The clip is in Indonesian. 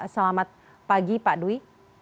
selamat pagi pak dwi